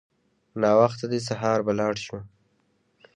ناوخته دی سهار به لاړ شو.